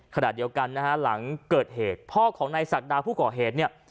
ขณะเดียวกันนะฮะหลังเกิดเหตุพ่อของนายศักดาผู้ก่อเหตุเนี่ย